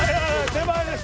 手前です。